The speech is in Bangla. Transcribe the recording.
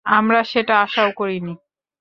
আমরা সেটা আশাও করিনি।